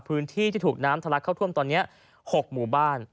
พื้นที่ที่ถูกน้ำทะลักเข้าท่วมตอนนี้๖หมู่บ้าน